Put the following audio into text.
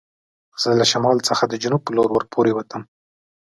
زه له شمال څخه د جنوب په لور ور پورې و وتم.